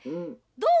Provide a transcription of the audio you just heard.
どう？